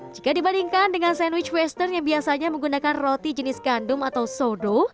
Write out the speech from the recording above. jika dibandingkan dengan sandwich western yang biasanya menggunakan roti jenis kandum atau sodo